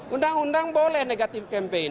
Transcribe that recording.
undang undang boleh negatif campaign